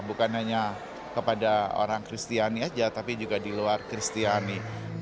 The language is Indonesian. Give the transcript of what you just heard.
bukan hanya kepada orang kristiani saja tapi juga di luar kristiani